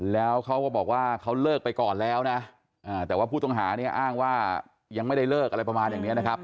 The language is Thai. แล้วเขาก็บอกว่าเขาเลิกไปก่อนแล้วนะแต่ว่าผู้ต้องหาเนี่ยอ้างว่ายังไม่ได้เลิกอะไรประมาณอย่างนี้นะครับ